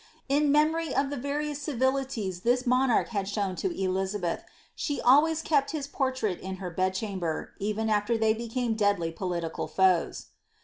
In memory of the various civilities this monarch had shown to Elizabeth, she always kept his portrait in her bedchamber, even after they became deadly political foes.